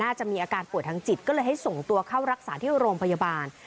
อาจจะมีอาการป่วยทางจิตก็เลยให้ส่งตัวเข้ารักษาที่โรงพยาบาล